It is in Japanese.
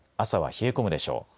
朝は冷え込むでしょう。